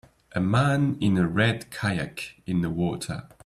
A man in a red kayak in the water